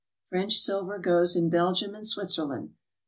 French silver goes in Belgium and Switzerland.